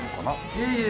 いえいえ。